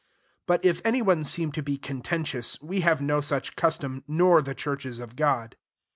16 But if any one seem to be contentious, we have no such custom, nor the churches of God.